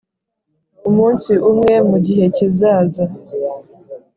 umunsi umwe mugihe kizaza